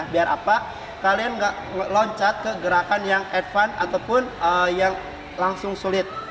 biar apa kalian nggak loncat ke gerakan yang advance ataupun yang langsung sulit